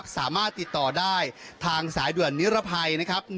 สามารถติดต่อได้ทางสายด่วนนิรภัยนะครับ